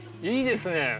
いいですね。